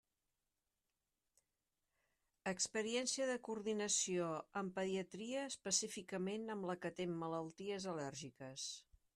Experiència de coordinació amb pediatria, específicament amb la que atén malalties al·lèrgiques.